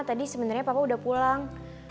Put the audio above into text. tadi sebenarnya papa udah pulang